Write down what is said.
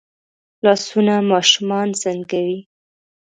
لاسونه ماشومان زنګوي